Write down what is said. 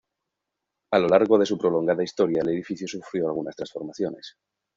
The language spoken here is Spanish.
A lo largo de su prolongada historia el edificio sufrió algunas transformaciones.